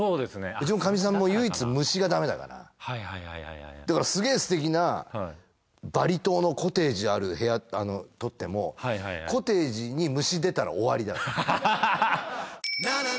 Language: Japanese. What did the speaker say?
うちのかみさんも唯一虫がダメだからはいはいはいはいはいだからすげー素敵なバリ島のコテージある部屋とってもコテージに虫出たら終わりだよ